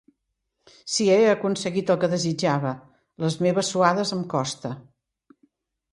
Si he aconseguit el que desitjava, les meves suades em costa.